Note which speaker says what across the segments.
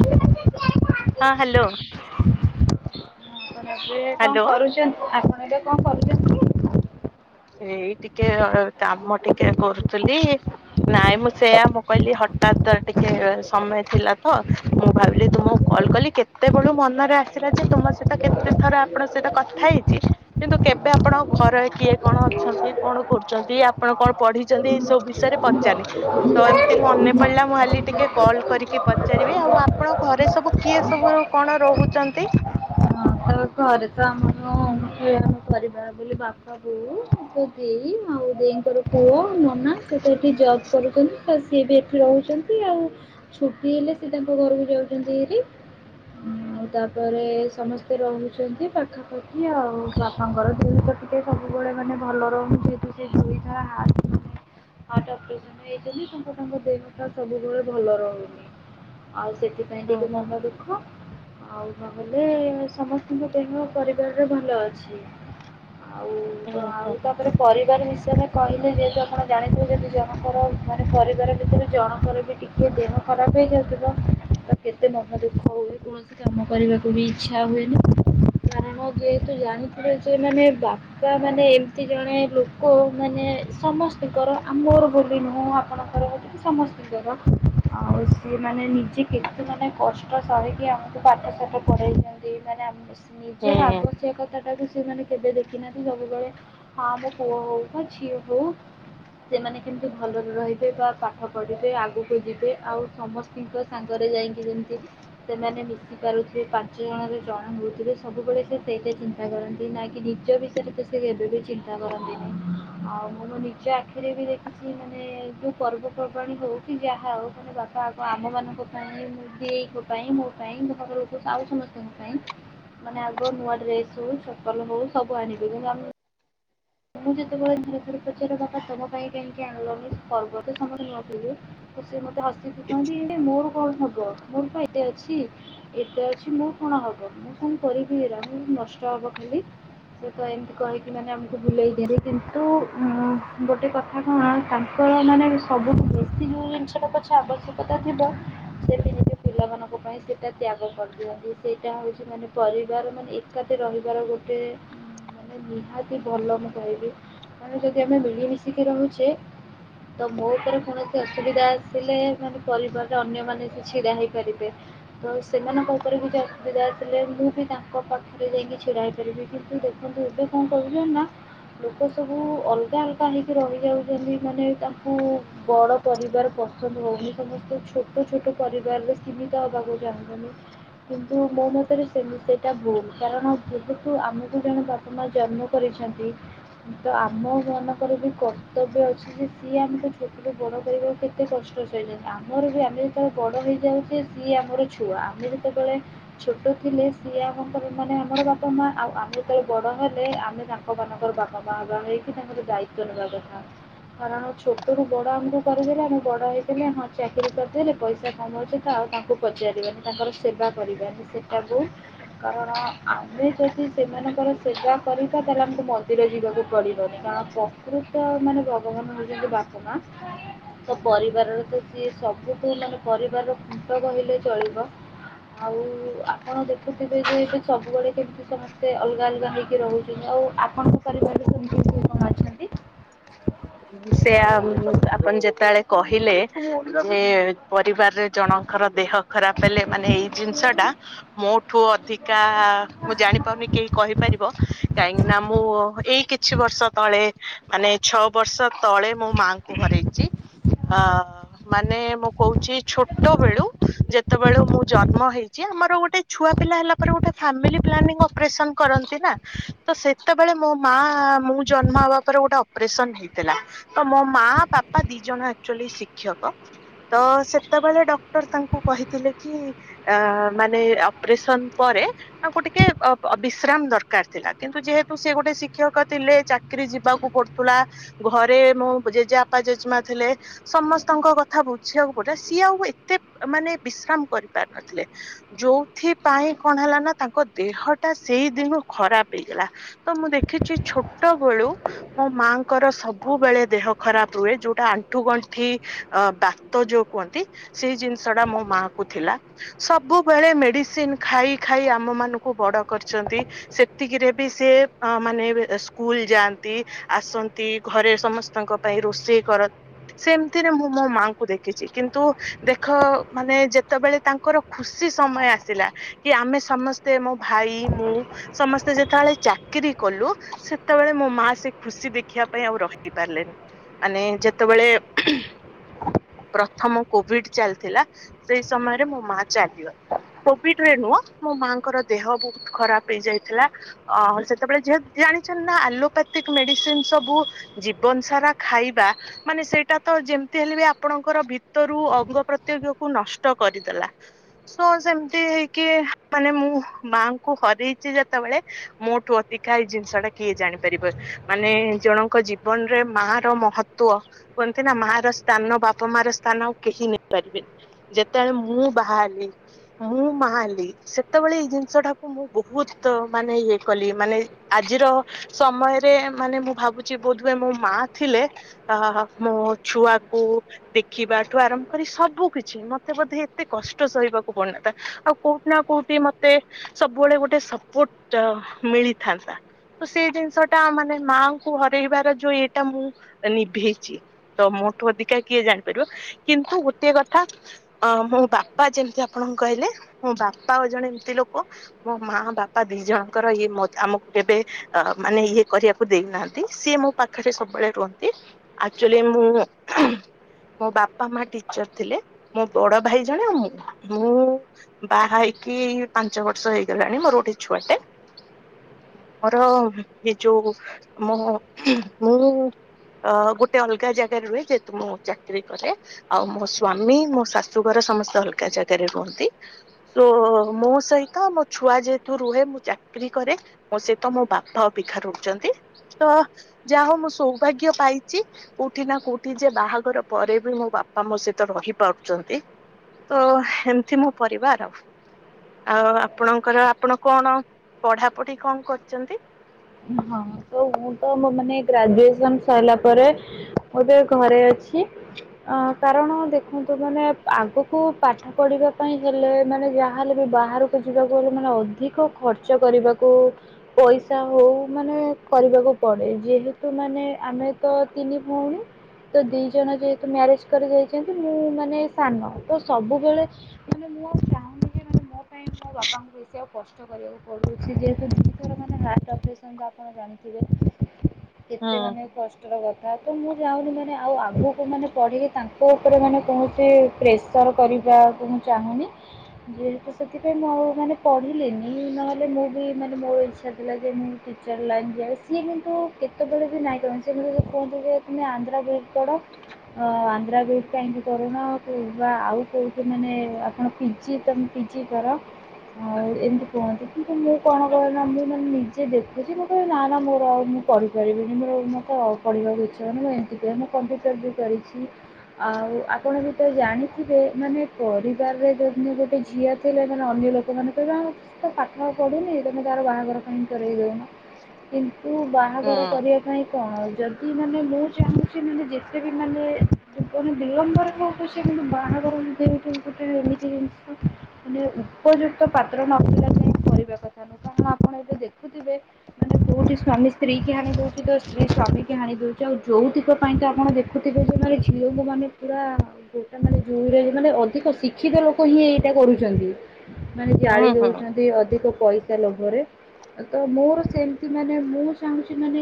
Speaker 1: ଆପଣ ଏବେ ଏବେ
Speaker 2: ହ୍ୟାଲୋ
Speaker 1: କଣ କରୁଛନ୍ତି? ଆପଣ ଏବେ କଣ କରୁଛନ୍ତି?
Speaker 2: ଏଇ ଟିକେ କାମ ଟିକେ କରୁଥିଲି ଇ ନାଇଁ, ମୁଁ ସେୟା ମୁଁ କହିଲି ହଠାତ ଟିକେ ସମୟ ଥିଲା ତ ମୁଁ ଭାବିଲି ତୁମକୁ କଲ୍ କଲି, କେତେବେଳୁ ମନରେ ଆସିଲା ଯେ ତୁମ ସହିତ କେତେ ଥର ଆପଣଙ୍କ ସହିତ କ କଥା ହେଇଚି, କିନ୍ତୁ କେବେ ଆପଣଙ୍କ ଘର କିଏ କଣ ଅଛନ୍ତି, କଣ କରୁଛନ୍ତି, ଆପଣ କଣ ପଢିଛନ୍ତି, ଏଇ ସବୁ ବିଷୟରେ ପଚାରି ନି? ତ ଏମିତି ମନେ ପଡିଲା, ମୁଁ ଭାବିଲି ଟିକେ କଲ୍ କରିକି ପଚାରିବି। ଆଉ ଆପଣଙ୍କ ଘରେ ସବୁ କିଏ ସବୁ ରୁ କଣ ରହୁଛନ୍ତି?
Speaker 1: ଉ ଘରେ ତ ଆମର [unintelligible] କରିବା ବୋଲି ଭାବୁଛୁ ଆଉ ବୋଉ, ଆଉ ଦେଇ, ଆଉ ଦେଇଙ୍କର ପୁଅ, ନନା, ସିଏ ତ ଏଠି ଜବ୍ କରୁଛନ୍ତି। ଆ ସିଏ ବି ଏଠି ରହୁଛନ୍ତି, ଆଉ ଛୁଟି ହେଲେ ସିଏ ତାଙ୍କ ଘରକୁ ଯାଉଛନ୍ତି ହେରି। ଆଉ ତାପରେ ସମସ୍ତେ ରହୁ ଛନ୍ତି ପାଖାପାଖି ଆଉ, ବାପାଙ୍କର ଦେହ ତ ଟିକେ ସବୁବେଳେ ମାନେ ଭଲ ରହୁନି ଧୁୋଇ ଧ ହାତ ଧରେ। [unintelligible] ହାର୍ଟ ଅପରେସନ ହେଇଛନ୍ତି। ତାପରେ ତାଙ୍କ ଦେହ ଟା ସବୁବେଳେ ଭଲ ରହୁନି। ଆଉ ସେଥିପାଇଁ
Speaker 2: ହୁଁ
Speaker 1: ଟିକେ
Speaker 2: ହୁଁ
Speaker 1: ମନ ଦୁଃଖ। ଆଉ ନହେଲେ ସମସ୍ତ ଙ୍କ ଦେହ ପରିବାରରେ ଭଲ ଅଛି। ଆଉ,
Speaker 2: ହୁଁ ହୁଁ
Speaker 1: ଆଉ
Speaker 2: ହୁଁ
Speaker 1: ତାପରେ ପରିବାର ବିଷୟରେ କହିଲେ ଯେହେତୁ ଆପଣ ଜାଣିଥିବେ, ଯଦି ଜଣଙ୍କର ମାନେ ପରିବାର ଭିତରୁ ଜଣଙ୍କର ବି ଟିକେ ଯେତେବେଳେ ଦେହ ଖରାପ ହେଇଯାଉଚିତ, ତ କେତେ ମନ ଦୁଃଖ ହୁଏ କଣସି କୌଣସି କାମ କରିବାକୁ ବି ଇଚ୍ଛା ହୁଏନି। ହଁ, ଯେହେତୁ ଜାଣିଥିଲ ଯେ, ମାନେ ବା ପା ମାନେ ଏମିତି ଜଣେ ଲୋକ ମାନେ ସମସ୍ତଙ୍କର ଆମର ବୋଲି ନୁହଁ, ଆପଣଙ୍କର ଗୋଟେ ସମସ୍ତଙ୍କର। ଆଉ ସିଏ ମାନେ ନିଜେ କେତେ ମାନେ କଷ୍ଟ ସହିକି ଆମକୁ ପାଠ ସାଠ ପଢେଇଚନ୍ତି ମାନେ ଆମକୁ ସେ ନିଜର
Speaker 2: ହୁଁ
Speaker 1: ଆବ ସେ କଥା ଟାକୁ ସେମାନେ କେବେ ଦେଖିନାହାନ୍ତି ସବୁବେଳେ ଆ ମୋ ପୁଅ ହଉ ବା ଝିଅ ହଉ ସେମାନେ କେମିତି ଭଲରେ ରହିବେ ବା ପାଠ ପଢିବେ ଆଗକୁ ଯିବେ ଆଉ ସମସ୍ ଙ୍କ ସାଙ୍ଗରେ ଯାଇଁକି ଯେମିତି ସେମାନେ ମିଶି ପାରୁଥିବେ ପାଞ୍ଚ ଜଣରେ ଜଣ ହେଉଥିବେ ସେ ସବୁବେଳେ ସେ ସେଇଟା ଚିନ୍ତା କରନ୍ତି ନା କି ନିଜ ବିଷୟରେ ତ ସେ କେବେ ବି ଚିନ୍ତା କରନ୍ତି ନାହିଁ। ଆଉ ମୁଁ ମୋ ନିଜ ଆଖିରେ ବି ଦେଖିଚି ମାନେ ଯୋଉ ପର୍ବପର୍ବାଣି ହଉ କି ଯାହା ହଉ ମାନେ ବା କାହାକୁ ଆମ ମାନଙ୍କ ପାଇଁ ମୋ ଦେଇଙ୍କ ପାଇଁ ମୋ ପାଇଁ [unintelligible] ଆଉ ସମସ୍ତଙ୍କ ପାଇଁ। ମାନେ ଆଗ ନୂଆ ଡ୍ରେସ ହଉ ଚପଲ ହଉ ସବୁ ଆଣିବେ କିନ୍ତୁ ଆମେ ମୁଁ ଯେତେବେଳେ ଥରେ ଥରେ ପଚାରେ ବାପା ତମ ପାଇଁ କାହିଁକି ଆଣିଲନି ପର୍ବତ ସମସ୍ତେ ନୂଆ ପିନ୍ଧିବେ। ସେ ମତେ ହସିକି କହନ୍ତି ଏ ମୋର କଣ ହବ ମୋର ପା ଏତେ ଅଛି। ଏତେ ଅଛି ମୁଁ କଣ ହବ ମୁଁ କଣ କରିବି ଏଇରା ନଷ୍ଟ ହବ ଖାଲି। ସେ ତ ଏମିତି କହିକି ମାନେ ଭୁଲେଇ ଦେଲେ କିନ୍ତୁ ଉଁ ଗୋଟେ କଥା କଣ ତାଙ୍କର ମାନେ ସବୁଠୁ ବେଶୀ ଯୋଉ ଜିନିଷ ପଛ ଆବଶ୍ୟକତା ଥିବ ସେ ବି ନିଜେ ପିଲାମାନଙ୍କ ପାଇଁ ସେଇଟା ତ୍ୟାଗ କରିଦିଅନ୍ତି ସେଇଟା ହଉଚି ମାନେ ପରିବାର ମାନେ ଏକାଠି ରହିବାର ଗୋଟେ ମାନେ ନିହାତି କି ଭଲ ମୁଁ କହିବି ମାନେ ଯଦି ଆମେ ବିଳି ମିଶିକି ରହୁଚେ ତ ମୋ ଉପରେ କୌଣସି ଅସୁବିଧା ଆସିଲେ ମାନେ ପରିବାରରେ ଅନ୍ୟମାନେ ବି ଛିଡା ହେଇପାରିବେ। ତ ସେମାନଙ୍କ ଉପରେ କିଛି ଅସୁବିଧା ଆସିଲେ ମୁଁ ବି ତାଙ୍କ ପାଖରେ ଯାଇଁକି ଛିଡା ହେଇ ପାରିବି କିନ୍ତୁ ଦେଖି କିନ୍ତୁ ଏବେ କଣ କରୁଚନ୍ତି ନା ଲୋକ ସବୁ ଅଲଗା ଅଲଗା ହେଇକି ରହିଯାଉଚନ୍ତି ମାନେ ତାଙ୍କୁ ବଡ଼ ପରିବାର ପସନ୍ଦ ହଉନି ସମସ୍ତେ ଛୋଟ ଛୋଟ ପରିବାରରେ ସୀମିତ ହେବାକୁ ଚାହୁଁଚନ୍ତି। କିନ୍ତୁ ମୋ ମତରେ ସେମ ସେଇଟା ଭୁଲ କାରଣ ଯେହେତୁ ଆମକୁ ଜଣେ ବାପ ମା ଜନ୍ମ କରିଛନ୍ତି ତ ଆମ ମାନଙ୍କର ବି କର୍ତବ୍ୟ ଅଛି ଯେ ସିଏ ଆମକୁ ଛୋଟ ରୁ ବଡ କରିବା କେ ଏତେ କଷ୍ଟ ସହିଚନ୍ତି ଆମର ବି ଆମେ ଯେତେବେଳେ ବଡ ହେଇଯାଉଚେ ସିଏ ଆମର ଛୁଆ ଆମେ ଯେତେବେଳେ ଛୋଟ ଥିଲେ ସିଏ ଆମକୁ ମାନେ ଆମର ବାପା ମା ଆଉ ଆମେ ଯେତେବେଳେ ବଡ ହେଲେ ଆମେ ତାଙ୍କ ମାନଙ୍କର ବାପା ମା ହବା ହେଇକି ତାଙ୍କର ଦାୟିତ୍ଵ ନେବା କଥା। କାରଣ ଛୋଟ ରୁ ବଡ ଆମକୁ କରିଦେଲେ ଆମ ବଡ ହେଇଗଲେ ହଁ ଚାକିରି କରିଦେଲେ ପଇସା କମାଉଚନ୍ତି ଆଉ ତାଙ୍କୁ ପଚାରିବାନି ତାଙ୍କର ସେବା କରିବାନି ସେଟାକୁ କାରଣ ଆମେ ଯଦି ସେମାନଙ୍କର ସେବା କରି ତାହେଲେ ଆମକୁ ମନ୍ଦିର ଯିବାକୁ ପଡିନି କାରଣ ପ୍ରକୃତ ମାନେ ଭଗବାନଙ୍କ ହୋଉଚନ୍ତି ବାପା ମା। ତ ପରିବାରର ତ ସିଏ ସବୁଠୁ ମାନେ ପରିବାରର ଖୁଣ୍ଟ କହିଲେ ଚଳିବ। ଆଉ ଆପଣ ଦେଖୁଥିବେ ଯେ ଏବେ ସବୁବେଳେ କେମିତି ସମସ୍ତେ ଅଲଗା ଅଲଗା ହେଇକି ରହୁଚ ଆଉ ଆପଣଙ୍କ ପରିବାରରେ ସମ
Speaker 2: [unintelligible] [inaudible] ସେ ଆପଣ ଯେତେବେଳେ କହିଲେ ଯେ ପରିବାରରେ ଜଣଙ୍କର ଦେହ ଖରାପ ହେଲେ ମାନେ ଏଇ ଜିନିଷ ଟା ମୋ ଠୁ ଅଧିକା ମୁଁ ଜାଣିପାରୁନି କେହି କହିପାରିବ କାହିଁକି ନା ମୁଁ ଏଇ କିଛି ବର୍ଷ ତଳେ ମାନେ ଛଅ ବର୍ଷ ତଳେ ମୋ ମାଙ୍କୁ ହରଇଚି ଅ ମାନେ ମୁଁ କହୁଚି ଛୋଟ ବେଳୁ ଯେତେବେଳୁ ମୁଁ ଜନ୍ମ ହେଇଛି ଆମର ଗୋଟେ ଛୁଆ ପିଲା ହେଲା ପରେ ଗୋଟେ ଫ୍ୟାମିଲି ପ୍ଲାନିଂ ଅ ଅପରେସନ କରନ୍ତି ନା ତ ସେତେବେଳେ ମୋ ମା ମୁଁ ଜନ୍ମ ହେବା ପରେ ଗୋଟେ ଅପରେସନ ହେଇ ଥିଲା ତ ମୋ ମା ବାପା ଦି ଜଣ ଆଚୁଆଲି ଶିକ୍ଷକ। ତ ସେତେବେଳେ ଡକ୍ଟର ତାଙ୍କୁ କହିଥିଲେ କି ଅ ମାନେ ଅପରେସନ ପରେ ତାଙ୍କୁ ଟିକେ ଅ ବିଶ୍ରାମ ଦରକାର ଥିଲା କିନ୍ତୁ ଯେହେତୁ ସେ ଗୋଟେ ଶିକ୍ଷକ ଥିଲେ ଚା କିରି ଯିବାକୁ ପଡୁଥିଲା ଘରେ ମୋ ଜେଜେବାପା ଜେଜେମା ଥିଲେ ସମସ୍ତଙ୍କ କଥା ବୁଝିବାକୁ ପଡିଲା ସିଏ ଆଉ ଏତେ ମାନେ ବିଶ୍ରାମ କରିପାରି ନଥିଲେ। ଯୋଉଥି ପାଇଁ କଣ ହେଲା ନା ତାଙ୍କ ଦେହ ଟା ସେଇ ଦିନୁ ଖରାପ ହେଇଗଲା। ତ ମୁଁ ଦେଖିଛି ଛୋଟବେଳୁ ମୋ ମାଙ୍କର ସବୁ ସବୁବେଳେ ଦେହ ଖରାପ ରୁହେ ଯୋଉଟା ଆଣ୍ଠୁ ଗଣ୍ଠି ଅ ବାତ ଯୋଉ କୁହନ୍ତି ସେଇ ଜିନିଷ ଟା ମୋ ମା କୁ ଥିଲା। ସବୁବେଳେ ମେଡିସିନ ଖାଇ ଖାଇ ଆମ ମାନଙ୍କୁ ବଡ କରିଛନ୍ତି। ସେତିକିରେ ବି ସେ ମାନେ ସ୍କୁଲ ଯାଆନ୍ତି ଆସନ୍ତି ଘରେ ସମସ୍ତଙ୍କ ପାଇଁ ରୋଷେଇ କର ସେମିତିରେ ମୁଁ ମୋ ମାଙ୍କୁ ଦେଖିଛି କିନ୍ତୁ ଦେଖ ମାନେ ଯେତେବେଳେ ତାଙ୍କର ଖୁସି ସମୟ ଆସିଲା କି ଆମେ ସମସ୍ତେ ମୋ ଭାଇ ମୁଁ ସମସ୍ତେ ଯେତେବେଳେ ଚାକିରି କଲୁ ସେତେବେଳେ ମୋ ମା ସେ ଖୁସି ଦେଖିବା ପାଇଁ ଆଉ ରହି ପାରିଲେନି ମାନେ ଯେତେବେଳେ ପ୍ରଥମ କୋଭିଡ ଚାଲିଥିଲା ସେଇ ସମୟରେ ମୋ ମା ଚାଲିଗଲା। କୋଭିଡ ରେ ନୁହଁ ମୋ ମାଙ୍କର ଦେହ ବହୁତ ଖରାପ ହେଇଯାଇଥିଲା। ଅ ସେତେବେଳେ ଯେହତ ଜାଣିଛନ୍ତି ନା ଆଲୋପାଥିକ ମେଡିସିନ ସବୁ ଜୀବନ ସାରା ଖାଇବା ମାନେ ସେଇଟା ତ ଯେମିତି ହେଲେ ବି ଆପଣଙ୍କର ଭିତରୁ ଅଙ୍ଗ ପ୍ରତ୍ୟଙ୍ଗ କୁ ନଷ୍ଟ କରିଦେଲା। ତ ସେମିତି ହେଇକି ମାନେ ମୁଁ ମାଙ୍କୁ ହରେଇଛି ଯେତେବେଳେ ମୋଠୁ ଅଧିକା ଏଇ ଜିନିଷ ଟା କିଏ ଜାଣିପାରିବ ମାନେ ଜଣ ଙ୍କ ଜୀବନରେ ମା ର ମହତ୍ବ କୁହନ୍ତି ନା ମା ର ସ୍ଥାନ ବାପା ମା ର ସ୍ଥାନ ଆଉ କେହି ନେଇପାରିବେନି। ଯେତେବେଳେ ମୁଁ ବାହାହେଲି ମୁଁ ମା ହେଲି ସେତେବେଳେ ଏଇ ଜିନିଷ ଟାକୁ ମୁଁ ବହୁତ ମାନେ ଇଏ କଲି ମାନେ ଆଜିର ସମୟରେ ମାନେ ମୁଁ ଭାବୁଛି ବୋଧହୁଏ ମୋ ମା ଥିଲେ ଅ ମୋ ଛୁଆକୁ ଦେଖିବାଠୁ ଆରମ୍ଭ କରି ସବୁ କିଛି ମତେ ବୋଧେ ଏତେ କଷ୍ଟ ସହିବାକୁ ପଡିନଥାଏ ଆଉ କୋଉଠି ନା କୋଉଠି ମତେ ସବୁବେଳେ ଗୋଟେ ସପୋର୍ଟ ମିଳିଥାନ୍ତା ତ ସେଇ ଜିନିଷ ଟା ମାନେ ମା କୁ ହରେଇବାର ଯୋଉ ଇଏଟା ମୁଁ ନିଭେଇଛି। ତ ମୋଠୁ ଅଧିକା କିଏ ଜାଣିପାରିବ କିନ୍ତୁ ଗୋଟିଏ କଥା ଅ ମୋ ବାପା ଯେମିତି ଆପଣଙ୍କୁ କହିଲି ମୋ ବାପା ଆଉ ଜଣେ ଏମିତି ଲୋକ ମୋ ମା ବାପା ଦି ଜଣଙ୍କର ଇଏ ମ ଆମକୁ କେବେ ଅ ମାନେ ଇଏ କରିବାକୁ ଦେଇନାହା ନ୍ତି ସିଏ ମୋ ପାଖରେ ସବୁବେଳେ ରୁହନ୍ତି ଆକ୍ଚୁଲି ମୁଁ ମୋ ବାପା ମା ଟିଚର ଥିଲେ ମୋ ବଡ ଭାଇ ଜଣେ ଆଉ ମୁ ମୁଁ ବାହା ହେଇକି ପାଞ୍ଚ ବର୍ଷ ହେଇଗଲାଣି ମୋର ଗୋଟେ ଛୁଆଟେ। ମୋର ଏ ଯୋଉ ମୁଁ ମୁଁ ଅ ଗୋଟେ ଅଲଗା ଜାଗାରେ ରୁହେ ଯେହେତୁ ମୁଁ ଚାକିରି କରେ। ଆଉ ମୋ ସ୍ଵାମୀ ମୋ ଶାଶୁଘର ସମସ୍ତେ ଅଲଗା ଜାଗାରେ ରୁହନ୍ତି। ତ ମୋ ସହିତ ମୋ ଛୁଆ ଯେହେତୁ ରୁହେ ମୁଁ ଚାକିରୀ କରେ ମୋ ସେହିତ ମୋ ବାପା ଅବିକା ରହୁଚନ୍ତି ତ ଯାହଉ ମୁଁ ସୌଭାଗ୍ୟ ପାଇଚି। କୋଉଠି ନା କୋଉଠିଯେ ବାହାଘର ପରେବି ମୋ ବାପା ମୋସହିତ ରହିପାରୁଚନ୍ତି। ତ ଏମିତି ମୋ ପରିବାର। ଆଉ ଆପଣଙ୍କର ଆପଣ କଣ ପଢାପଢି କଣ କରିଚନ୍ତି?
Speaker 1: ହଁ ତ ମୁଁ ତ ମାନେ ଗ୍ରାଜୁଏସନ୍ ସରିଲା ପରେ ମୁଁ ତ ଘରେ ଅଛି ଅ କାରଣ ଦେଖନ୍ତୁ ମାନେ ଆଗକୁ ପାଠ ପଢିବା ପାଇଁ ହେଲେ ମାନେ ଯାହା ଯାହା ହେଲେବି ବାହାରକୁ ଯିବାକୁ ହେଲେ ମାନେ ଅଧିକ ଖର୍ଚ୍ଚ କରିବାକୁ ପଇସା ହଉ ମାନେ କରିବାକୁ ପଡ଼େ ଯେହେତୁ ମାନେ ଆମେ ତ ତିନି ଭଉଣୀ ତ ଦି ଜଣ ଯେହେତୁ ମ୍ୟାରେଜ କରି ଯାଇଚନ୍ତି ମୁଁ ମାନେ ସାନ ତସବୁବେଳେ ମାନେ ମୁଁ ଆଉ ଚାହୁଁନିଯେ ମୁଁ ମୋ ମୋ ପାଇଁ ମୋ ବାପାଙ୍କୁ ବେଶୀ ଆଉ କଷ୍ଟ କରିବାକୁ ପଡ଼ୁ ସେଯେହେତୁ ଦି ଥର ମାନେ ହାର୍ଟ ଅ ଅପେରସନ୍ ତ ଆପଣ ଜାଣିଥିବେ
Speaker 2: ହୁଁ
Speaker 1: କେତେ ମାନେ କଷ୍ଟ କଷ୍ଟର କଥାତ ମୁଁ ଯାହୁନି ମାନେ ଆଉ ଆଗକୁ ମାନେ ପଢ଼ିକି ତାଙ୍କ ଉପରେ ମାନେ କୌଣସି ପ୍ରେସର କରିବାକୁ ମୁଁ ଚାହୁଁନି। ଯେହେତୁ ସେଥିପାଇଁ ମୁଁ ମାନେ ପଢିଲିନି ନହେଲେ ମୁଁ ବି ମାନେ ମୋର ଇଛା ଥିଲାଯେ ମୁଁ ଟିଚର୍ ଲାଇନ୍ ଯିବାକୁ ସିଏ କିନ୍ତୁ କେତେବେଳେବି ନାଇଁ କରନ୍ତିନି ସେକିନ୍ତୁ କୁହନ୍ତିଯେ ତୁମେ ଆନ୍ଧ୍ରା ବିଡ଼ି ପଢ ଆନ୍ଧ୍ରା ବିଡ୍ କାହିଁକି କରୁନ ବା ଆଉ କୋଉଠି ମାନେ ଆପଣ ପିଜି ତମ ପିଜିକର ଆଉ ଏମିତି କୁହନ୍ତି କିନ୍ତୁ ମୁଁ କଣ କହେ ନା ମାନେ ମୁଁ ନିଜେଦେଖେ ବୁଝି ମୁଁ କହେ ନା ନା ମୋରଆଉ ମୁଁ ପଢିପାରିବିନି ମୋର ମୋତେ ପଢ଼ିବାକୁ ଇଚ୍ଛା ନାହି ମୁଁ ଏମିତି କୁହେ ମୁଁ କମ୍ପ୍ୟୁଟର ଜି କରିଛି ଆଉ ଆପଣ ହୁଏତ ଜାଣିଥିବେ ମାନେ ପରିବାରରେ ଯଦି ଗୋଟେ ଝିଅ ଥିଲେ ମାନେ ଅନ୍ୟ ଲୋକ ଲୋକମାନେ କହିବେ ହଁ ସେତ ପାଠ ଆଉ ପଢ଼ୁନି ତମେ ତାର ବାହାଘର କାଇଁ କରେଇ ଦଉନ କିନ୍ତୁ
Speaker 2: ହୁଁ
Speaker 1: ବାହାଘର କରିବାକୁ ନାଇଁ କଣ ଯଦି ମାନେ ମୁଁ ଚାହୁଁଛି ମାନେ ଯେତେବି ମାନେ ବିଳମ୍ବରେ ହଉ ପଛେ ବାହାଘର ଗୋଟେ ଏମିତି ଜିନିଷ ମାନେ ଉପଯୁକ୍ତ ପାତ୍ର ନମିଳିବା ଯାଏ କରିବା କଥା ନୁହଁ କାରଣ ଆପଣ ଏବେ ଦେଖୁଥିବେ ମାନେ କୋଉଠି ସ୍ଵାମୀ ସ୍ତ୍ରୀକୁ ହାଣି ଦଉଚିତ ସ୍ତ୍ରୀ ସ୍ଵାମୀକି ହାଣି ଦଉଚି ଆଉ ଯୋଉତିଙ୍କ ପାଇଁତ ଆପଣ ଦେଖୁ ଦେଖୁଥିବେ ମାନେ ଝିଅକୁ ମାନେ ପୁରା ଲୋକମାନେ ମାନେ ଜୁରେ ମାନେ ଅଧିକ ଶିକ୍ଷିତ ଲୋକହିଁ ଏଇଟା କରୁଚନ୍ତି। ମାନେ
Speaker 2: ହୁଁ
Speaker 1: ଜାଳି
Speaker 2: ହୁଁ
Speaker 1: ଦଉଚନ୍ତି ଅଧିକ ପଇସା ଲୋଭରେ ତମୋର ସେମିତି ମାନେ ମୁଁ ଚାହୁଁଚି ମାନେ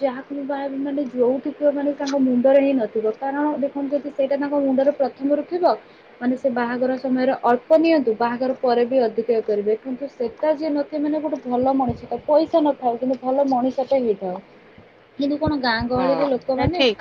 Speaker 1: ଯାହାକୁ ମୁଁ ବାହାହେବି ମାନେ ଯଉତିକ ମାନେ ତାଙ୍କ ମୁଣ୍ଡରେହିଁ ନଥିବ କାରଣ ଦେଖନ୍ତୁ ଯଦି ସେଇଟା ତାଙ୍କ ମୁଣ୍ଡରେ ରେ ଥିବ ମାନେସେ ବାହାଘର ସମୟରେ ଅଳ୍ପ ନିଅନ୍ତୁ ବାହାଘର ପରେବି ଅଧିକା କରିବେ କିନ୍ତୁ ସେଟା ଯିଏ ନଥିବ ମାନେ ଗୋଟେ ଭଲ ମଣିଷ ତା ପଇସା ନଥାଉ କିନ୍ତୁ ଭଲ ମଣିଷଟେ ହେଇଥାଉ କିନ୍ତୁ କଣ ଗାଁ
Speaker 2: ହୁଁ
Speaker 1: ଗହଳି
Speaker 2: ନାଇଁ
Speaker 1: ଲୋକମାନେ
Speaker 2: ଠିକ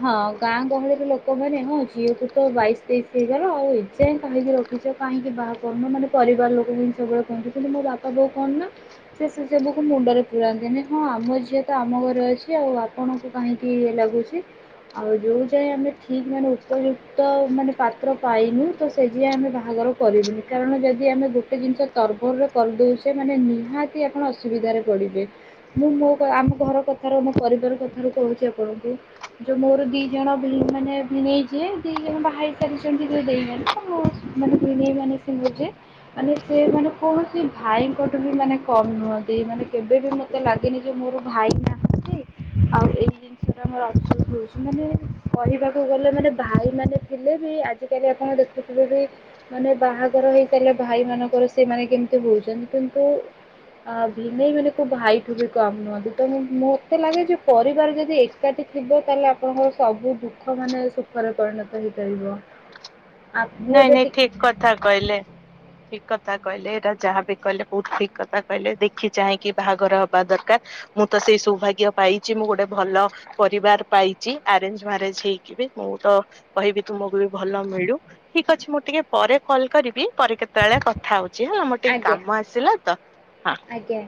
Speaker 1: ହଁ ଗାଁ ଗହଳିରେ ଲୋକମାନେ ହଁ ଝିଅକୁତ ବାଇଶି ତେଇଶି ହେଇଗଲା ଆଉ ଏଯାଏଁ କାହିଁକି ର ଏଜାଏ କାହିଁକି ବାହା କରୁନ ମାନେ ପରିବାର ଲୋକବି ସବୁବେଳେ କହୁନ୍ତି କିନ୍ତୁ ମୋ ବାପା ବୋଉ କଣ ନା ସେ ସେ ସେବୁକୁ ମୁଣ୍ଡରେ ପୁରାନ୍ତିନି ହଁ ଆମ ଝିଅତ ଆମ ଘରେ ଅଛି ଆଉ ଆପଣଙ୍କୁ କାହିଁକି ଇଏ ଲାଗୁଚି। ଆଉ ଯଉଁ ଯାଏ ଆମେ ଠିକ୍ ମାନେ ଉପଯୁକ୍ତ ମାନେ ପାତ୍ର ପାଇନୁତ ସେଯାଏ ଆମେ ବାହାଘର କରିବୁନି କାରଣ ଯଦି ଆମେ ଗୋଟେ ଜିନିଷ ତରବରରେ କରିଦଉଛେ ମାନେ ନିହା ତି ଆପଣ ଅସୁବିଧାରେ ପଡ଼ିବେ। ମୁଁ ମୋ ଆମ ଘର କଥାରୁ ମୋ ପରିବାର କଥାରୁ କହୁଚି ଆପଣଙ୍କୁ ଯୋଉ ମୋର ଦି ଜଣ ମାନେ ଭିଣେଇ ଯିଏ ଦି ଜଣ ବାହାହେଇ ସାରିଛନ୍ତି ଯୋଉ ଦେଇ ମାନେ ମାନେ ଭିଣେଇ ମାନେ ମୋର ଯିଏ ମାନେ ସେ କୌଣସି ଭାଇଙ୍କଠୁ ବି ମାନେ କମ ନୁହନ୍ତି ମାନେ କେବେ ବି ମତେ ଲାଗେନି ଯେ ମୋର ଭାଇ ନାହାନ୍ତି ଆଉ ଏ ଜିନିଷର ଅଛି ରହୁଛି ମାନେ କହିବାକୁ ଗଲେ ମାନେ ଭାଇ ମାନ ଥିଲେ ବି ଆଜି ଆଜିକାଲି ଆପଣ ଦେଖୁ ଥିବେ ବି ମାନେ ବାହାଘର ହେଇସାରିଲା ଭାଇ ମାନଙ୍କର ସେମାନେ କେମିତି ହଉଛନ୍ତି କିନ୍ତୁ ଆ ଭନେଇ ମାନେ କୋଉ ଭାଇଠୁ ବି କମ୍ ନୁହନ୍ତି ତେଣ ମତେ ଲାଗେ ଯେ ପରିବାର ଯଦି ଏକାଠି ଥିବ ତାହେଲେ ଆପଣଙ୍କର ସବୁ ଦୁଃଖ ମାନେ ସୁଖରେ ପରିଣତ ହେଇପାରିବ। ଆଉ ମୁଁ
Speaker 2: ନାଇଁ
Speaker 1: ଏବେ
Speaker 2: ନାଇଁ
Speaker 1: ଟି
Speaker 2: ଠିକ କଥା କହିଲେ। ଠିକ କଥା କହିଲେ ଏଇଟା ଯାହାବି କହିଲେ ବହୁତ ଠିକ କଥା କହିଲେ ଦେଖି ଚାହିଁକି ବାହାଘର ହବା ଦରକାର। ମୁଁ ତ ସେଇ ସୌଭାଗ୍ୟ ପାଇଛି ମୁଁ ଗୋଟେ ଭଲ ପରିବାର ପାଇଛି ଆରେଞ୍ଜ ମ୍ୟାରେଜ ହେଇକି ବି ମୁଁ ତ କହିବି ତୁମକୁ ବି ଭଲ ମିଳୁ? ଠିକ୍ ଅଛି ମୁଁ ଟିକେ ପରେ କଲ୍ କରିବି ପରେ କେତେବେଳେ କଥା ହଉଛି ହେଲା ମୋ ଟିକେ
Speaker 1: ଆଜ୍ଞା
Speaker 2: କାମ ଆସିଲା ତ ହଁ।
Speaker 1: ଆଜ୍ଞା।